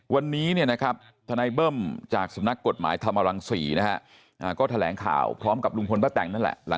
วันนี้ทนายเบิ้มจากสำนักกฎหมายธรรมรังศรีนะฮะก็แถลงข่าวพร้อมกับลุงพลป้าแต่งนั่นแหละ